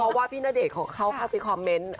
เพราะว่าพี่ณเดชน์เขาเข้าไปคอมเมนต์